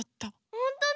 ほんとだ！